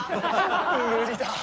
無理だ！